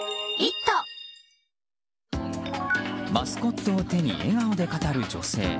マスコットを手に笑顔で語る女性。